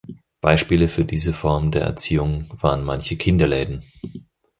Beispiele für diese Form der Erziehung waren manche „Kinderläden“.